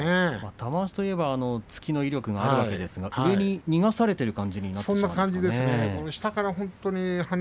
玉鷲といえば突きの威力があるわけですが上に逃がされている感じなんでしょうかね。